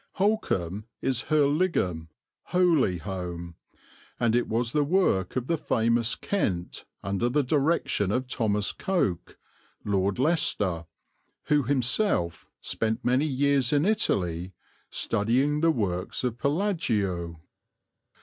Holkham is Hoeligham, "Holy Home," and it was the work of the famous Kent under the direction of Thomas Coke, Lord Leicester, who himself spent many years in Italy studying the works of Palladio.